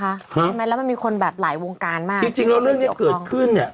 ใช่ไหมแล้วมันมีคนแบบหลายวงการมากจริงจริงแล้วเรื่องที่เกิดขึ้นเนี้ย